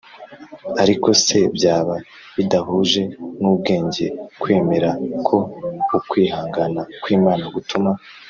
Ariko se byaba bidahuje n ubwenge kwemera ko ukwihangana kw Imana gutuma